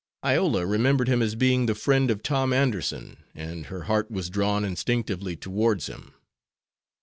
Iola remembered him as being the friend of Tom Anderson, and her heart was drawn instinctively towards him.